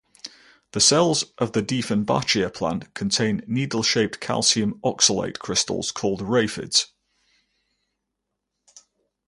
The cells of the "Dieffenbachia" plant contain needle-shaped calcium oxalate crystals called raphides.